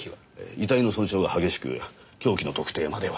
遺体の損傷が激しく凶器の特定までは。